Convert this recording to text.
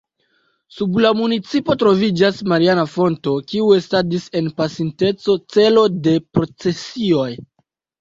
Sub la municipo troviĝas mariana fonto, kiu estadis en pasinteco celo de procesioj.